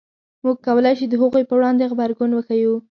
موږ کولای شو د هغوی په وړاندې غبرګون وښیو.